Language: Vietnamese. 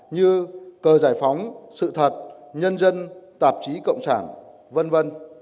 như cờ giải phóng sự thật nhân dân tạp chí cộng sản v v